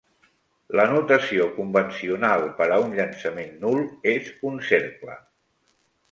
La notació convencional per a un llançament nul és un cercle.